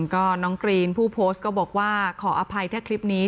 ก็น้องกรีนผู้โพสต์ก็บอกว่าขออภัยแค่คลิปนี้